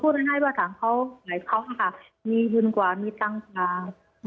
พูดง่ายก็ว่าฐานเขาไหวะก่อนค่ะมีบึนกว่ามีตั้งความ